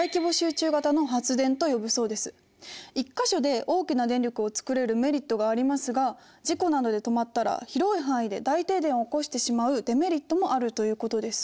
一か所で大きな電力を作れるメリットがありますが事故などで止まったら広い範囲で大停電を起こしてしまうデメリットもあるということです。